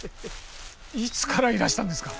いつからいらしたんですか？